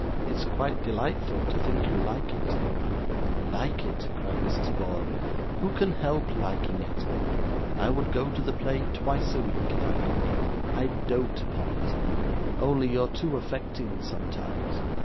'It's quite delightful to think you like it.' 'Like it!' cried Mrs. Borum. 'Who can help liking it? I would go to the play, twice a week if I could: I dote upon it only you're too affecting sometimes.